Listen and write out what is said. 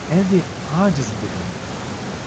Ez ê aciz bibim.